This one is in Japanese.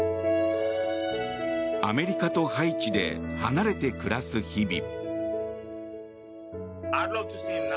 アメリカとハイチで離れて暮らす日々。